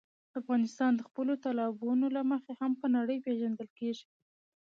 افغانستان د خپلو تالابونو له مخې هم په نړۍ پېژندل کېږي.